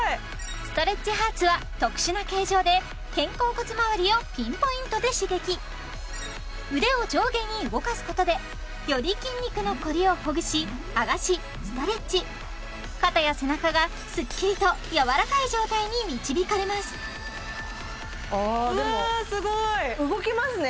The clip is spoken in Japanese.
ストレッチハーツは特殊な形状で肩甲骨まわりをピンポイントで刺激腕を上下に動かすことでより筋肉のこりをほぐしはがしストレッチ肩や背中がすっきりとやわらかい状態に導かれますあでも動きますね